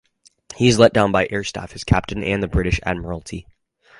He is let down by air staff, his captain, and the British Admiralty.